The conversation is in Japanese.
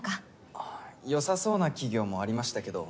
あっ良さそうな企業もありましたけど